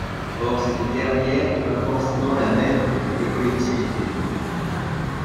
Or cette dernière n’est pas forcément la même pour toutes les collectivités.